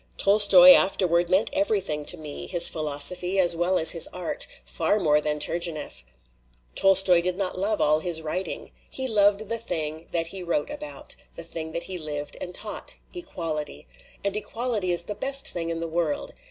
"Tolstoy afterward meant everything to me his philosophy as well as his art far more than Turgenieff. Tolstoy did not love all his writing. He loved the thing that he wrote about, 8 WAR STOPS LITERATURE the thing that he lived and taught equality. And equality is the best thing in the world.